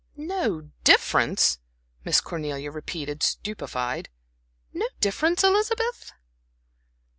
"No difference!" Miss Cornelia repeated, stupefied. "No difference, Elizabeth?"